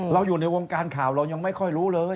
เราอยู่ในวงการข่าวเรายังไม่ค่อยรู้เลย